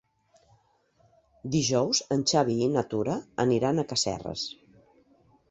Dijous en Xavi i na Tura aniran a Casserres.